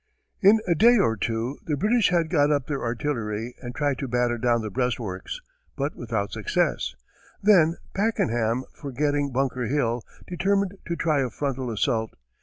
In a day or two, the British had got up their artillery, and tried to batter down the breastworks, but without success; then, Pakenham, forgetting Bunker Hill, determined to try a frontal assault.